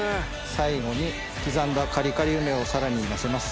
最後に刻んだカリカリ梅をさらにのせます。